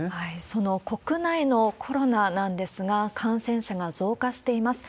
その国内のコロナなんですが、感染者が増加しています。